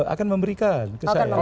akan memberikan ke saya